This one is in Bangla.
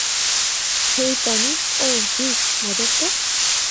হেই টনি ওহ, ভিক, মজার তো।